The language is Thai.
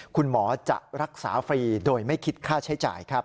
คุณหมอจะรักษาฟรีโดยไม่คิดค่าใช้จ่ายครับ